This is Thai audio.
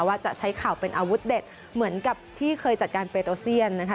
ว่าจะใช้เข่าเป็นอาวุธเด็ดเหมือนกับที่เคยจัดการเปโตเซียนนะคะ